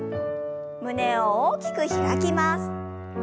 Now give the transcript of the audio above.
胸を大きく開きます。